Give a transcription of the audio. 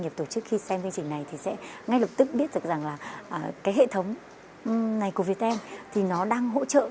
bước bốn phân tích chuyên sâu